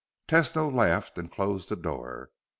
Tesno laughed and closed the door.